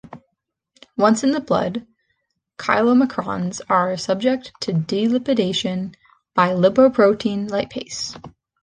Once in the blood, chylomicrons are subject to delipidation by lipoprotein lipase.